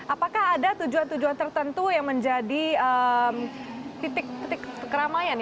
apakah ada tujuan tujuan tertentu yang menjadi titik titik keramaian